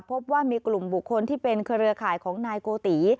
พบว่ามีกลุ่มบุคคลที่เป็นเครือข่ายของนายโกติ